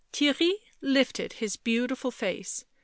Theirry lifted his beautiful face.